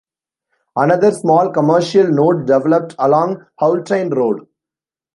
Another small commercial node developed along Haultain Road.